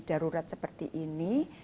darurat seperti ini